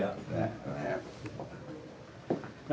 chào thầy ạ